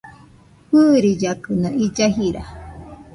Fɨɨrillakɨno illa jira